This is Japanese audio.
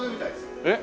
えっ？